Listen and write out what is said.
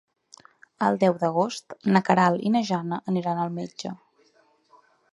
El deu d'agost na Queralt i na Jana aniran al metge.